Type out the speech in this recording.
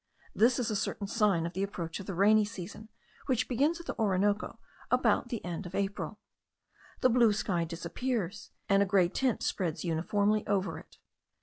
This is a certain sign of the approach of the rainy season, which begins at the Orinoco about the end of April. The blue sky disappears, and a grey tint spreads uniformly over it.